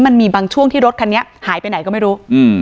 มันมีบางช่วงที่รถคันนี้หายไปไหนก็ไม่รู้